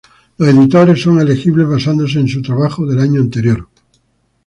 Los editores son elegibles basándose en su trabajo del año anterior.